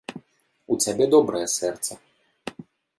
У цябе добрае сэрца.